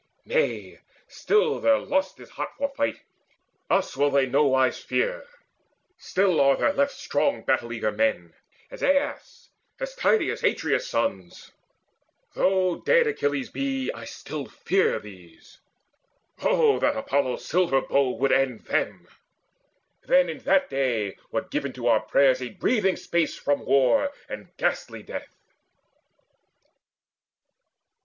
Nay, still their lust Is hot for fight: us will they nowise fear, Still are there left strong battle eager men, As Aias, as Tydeides, Atreus' sons: Though dead Achilles be, I still fear these. Oh that Apollo Silverbow would end them! Then in that day were given to our prayers A breathing space from war and ghastly death."